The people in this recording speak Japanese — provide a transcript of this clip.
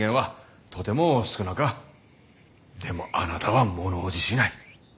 でもあなたは物おじしない。